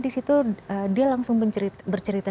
dia langsung bercerita